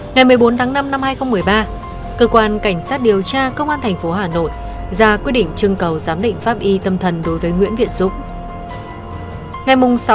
ngày một mươi bốn tháng năm năm hai nghìn một mươi ba cơ quan cảnh sát điều tra công an tp hà nội ra quyết định trưng cầu giám định pháp y tâm thần đối với nguyễn việt dũng